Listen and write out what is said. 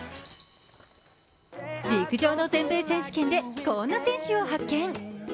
陸上の全米選手権でこんな選手を発見。